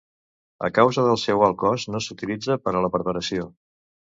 A causa del seu alt cost, no s'utilitza per a la preparació.